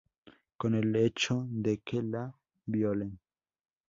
con el hecho de que la violen